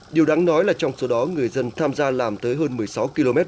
điều đáng nói là trong số đó người dân tham gia làm tới hơn một mươi sáu km